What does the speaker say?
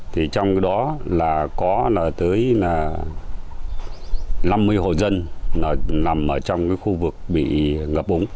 thì trong đó là có tới năm mươi hồ dân nằm ở trong cái khu vực bị ngập úng